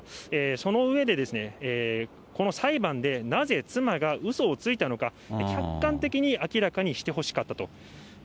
その上で、この裁判でなぜ妻がうそをついたのか、客観的に明らかにしてほしかったと。